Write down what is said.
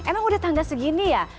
emang udah tanggal segini ya